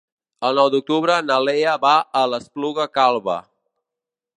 El nou d'octubre na Lea va a l'Espluga Calba.